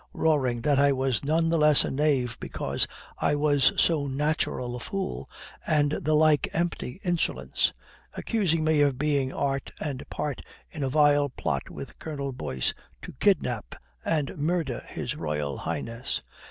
Roaring that I was none the less a knave because I was so natural a fool, and the like empty insolence. Accusing me of being art and part in a vile plot with Colonel Boyce to kidnap and murder His Royal Highness."